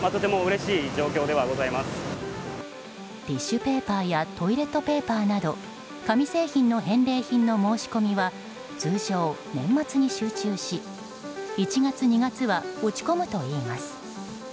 ティッシュペーパーやトイレットペーパーなど紙製品の返礼品の申し込みは通常、年末に集中し１月、２月は落ち込むといいます。